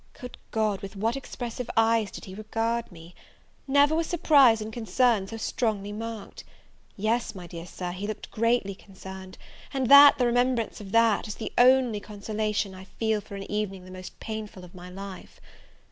Good God, with what expressive eyes did he regard me! Never were surprise and concern so strongly marked: yes, my dear Sir, he looked greatly concerned: and that, the remembrance of that, is the only consolation I feel for an evening the most painful of my life.